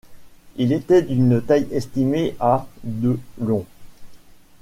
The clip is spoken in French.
Il était d'une taille estimée à de long.